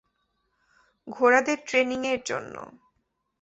ঘোড়াদের ট্রেনিংয়ের জন্য!